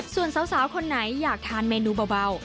ส่วนสาวคนไหนอยากทานเมนูเบา